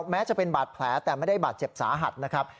แม้จะเป็นบาดแผลแต่ไม่ได้บาดเจ็บสาหัสนะครับ